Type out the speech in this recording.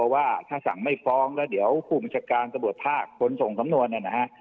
ฮะถ้าสั่งไม่ฟ้องละเดี๋ยวผู้บัญชาการสบวรษภาคคนทรงสำนวนเนี่ยฮะฮะ